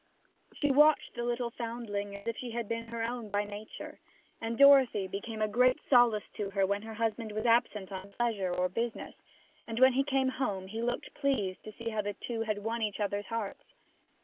She watched the little foundling as if she had been her own by nature, and Dorothy became a great solace to her when her husband was absent on pleasure or business; and when he came home he looked pleased to see how the two had won each other's hearts.